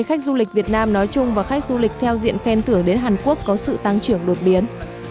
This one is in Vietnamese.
khách du lịch việt nam nói chung và khách du lịch theo diện khen thưởng đến hàn quốc có sự tăng trưởng đột biến